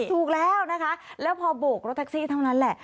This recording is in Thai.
ถูกแล้วนะคะแล้วพอโบกรถแท็กซี่เท่านั้นแหละ